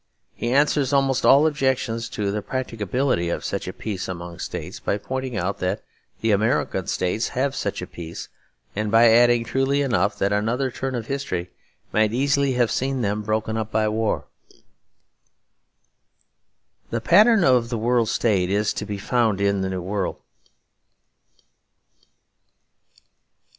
He answers almost all objections to the practicability of such a peace among states, by pointing out that the American States have such a peace, and by adding, truly enough, that another turn of history might easily have seen them broken up by war. The pattern of the World State is to be found in the New World.